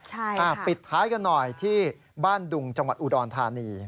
ใช่ค่ะปิดท้ายกันหน่อยที่บ้านดุงจังหวัดอุดรธานี